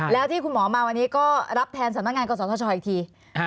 แล้วที่คุณหมอมาวันนี้ก็รับแทนสำนักงานกศธชอีกที